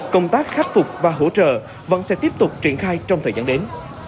công tác khắc phục và hỗ trợ vẫn sẽ tiếp tục triển khai trong thời gian đến